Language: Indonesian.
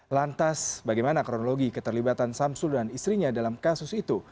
lantas bagaimana kronologi keterlibatan samsul dan istrinya dalam kasus itu